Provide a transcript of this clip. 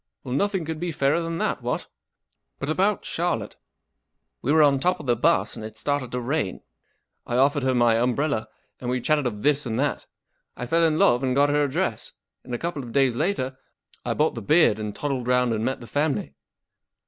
Well, nothing could be fairer than that, what ? But about Charlotte. We w ere on top of the bus, and it started to rain. I offered her my umbrella, and we chatted of this and that. I fell in love and got her address, and a couple of days later I bought the beard and toddled round and met the family."